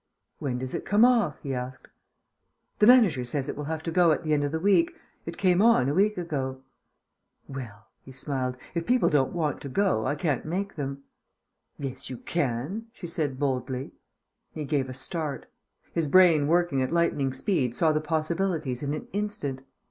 "When does it come off?" he asked. "The manager says it will have to at the end of the week. It came on a week ago." "Well," he smiled, "if people don't want to go, I can't make them." "Yes, you can," she said boldly. He gave a start. His brain working at lightning speed saw the possibilities in an instant.